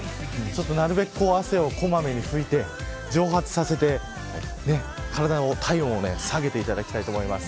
なるべく汗をこまめに拭いて蒸発させて体を、体温を下げていただきたいと思います。